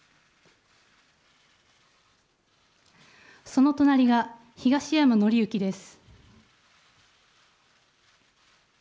その隣が、東山紀之です。